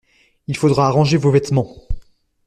Il faudra arranger vos vêtements.